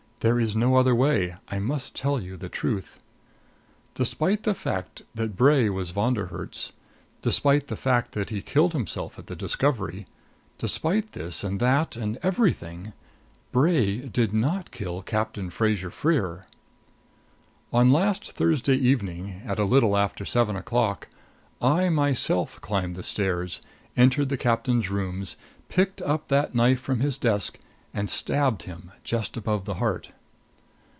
There is no other way I must tell you the truth. Despite the fact that Bray was Von der Herts; despite the fact that he killed himself at the discovery despite this and that, and everything Bray did not kill Captain Fraser Freer! On last Thursday evening, at a little after seven o'clock, I myself climbed the stairs, entered the captain's rooms, picked up that knife from his desk, and stabbed him just above the heart!